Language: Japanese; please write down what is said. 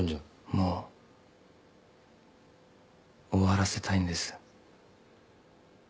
もう終わらせたいんです。